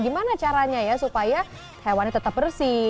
gimana caranya ya supaya hewannya tetap bersih